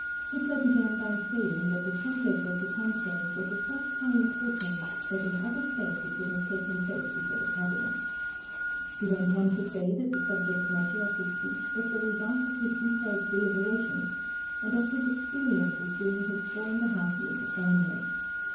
Hitler began by saying that the subject of the conference was of such high importance that in other States it would have taken place before the Cabinet. He went on to say that the subject matter of his speech was the result of his detailed deliberations, and of his experiences during his four and a half years of Government.